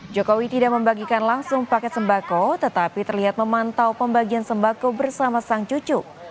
jokowi tidak membagikan langsung paket sembako tetapi terlihat memantau pembagian sembako bersama sang cucu